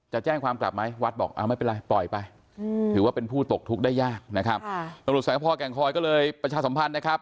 จะแจ้งความกลับมาไหมวัดบอกไม่เป็นไรปล่อยไปถือว่าเป็นผู้ตกทุกข์ได้ยาก